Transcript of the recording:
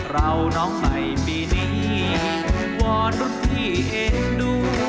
เราน้องใหม่ปีนี้วอนรุ่นพี่เอ็นดู